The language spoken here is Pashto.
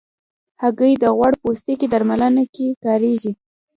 هګۍ د غوړ پوستکي درملنه کې کارېږي.